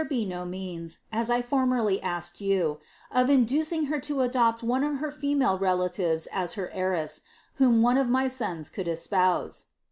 be n'> means, as I formerly asked yoa, of iniiucing her lo adopt one of her female rp|i tives as her heires*, whom one of my sons could espouse.''